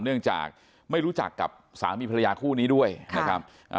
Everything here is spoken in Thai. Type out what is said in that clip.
เนื่องจากไม่รู้จักกับสามีภรรยาคู่นี้ด้วยนะครับ